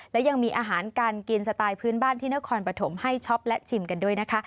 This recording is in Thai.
และยังมีอาหารการกินสไตล์พื้นบ้านที่นครปฐมให้ช็อปและชิมกันด้วยนะคะ